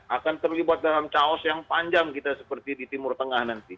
akan terlibat dalam kaos yang panjang kita seperti di timur tengah nanti